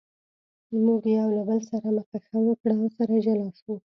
موږ یو له بل سره مخه ښه وکړه او سره جلا شوو.